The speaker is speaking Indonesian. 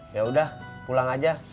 ya udah pulang aja